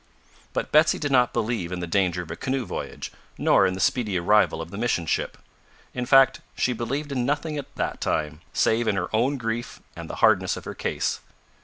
But Betsy did not believe in the danger of a canoe voyage, nor in the speedy arrival of the mission ship. In fact she believed in nothing at that time, save in her own grief and the hardness of her case.